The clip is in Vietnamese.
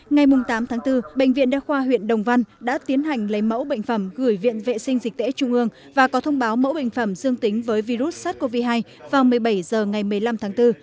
ngày tám tháng bốn bệnh viện đa khoa huyện đồng văn đã tiến hành lấy mẫu bệnh phẩm gửi viện vệ sinh dịch tễ trung ương và có thông báo mẫu bệnh phẩm dương tính với virus sars cov hai vào một mươi bảy h ngày một mươi năm tháng bốn